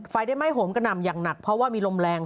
ไฟได้ไหม้โหมกระหน่ำอย่างหนักเพราะว่ามีลมแรง